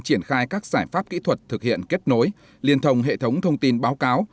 triển khai các giải pháp kỹ thuật thực hiện kết nối liên thông hệ thống thông tin báo cáo